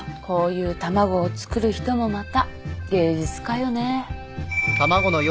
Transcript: こういう卵を作る人もまた芸術家よね。